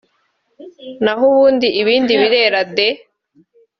naho ubundi ibindi birera dede